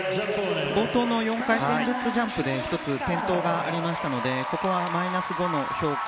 冒頭の４回転ルッツジャンプで１つ、転倒がありましたのでここはマイナス５の評価。